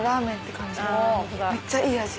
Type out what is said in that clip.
めっちゃいい味。